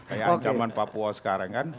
kayak ancaman papua sekarang kan